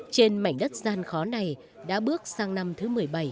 trên mảnh đất gian khó này đã bước sang năm thứ một mươi bảy